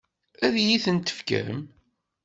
Ad iyi-tent-tefkem?